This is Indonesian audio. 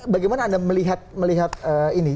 bagaimana anda melihat ini